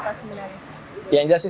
perannya apa sebenarnya